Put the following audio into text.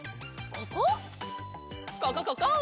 ここここ！